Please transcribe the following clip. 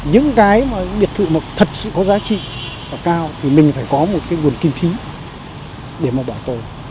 những cái biệt thự mà thật sự có giá trị và cao thì mình phải có một cái nguồn kinh khí để mà bảo tồn